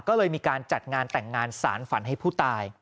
ก็เลยมีการจัดงานแต่งงานสารฝันให้ผู้ตาย